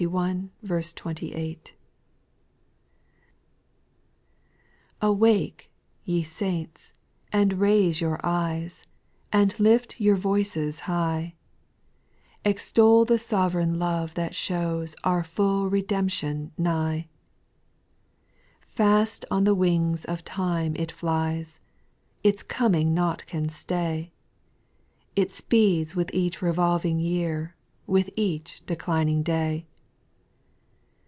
1. A WAKE, ye saints, and raise your eyes, A And lift your voices high ; Extol the sovereign love that shows Our full redemption nigh. 2. Fast on the wings of time it flies, Its coming nought can stay : It speeds with each revolving year. With each declining day.